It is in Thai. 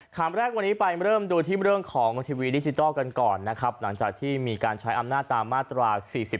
คำแรกวันนี้ไปเริ่มดูที่เรื่องของทีวีดิจิทัลกันก่อนนะครับหลังจากที่มีการใช้อำนาจตามมาตรา๔๔